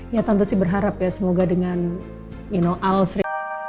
ya tentu sih berharap ya semoga dengan you know al sri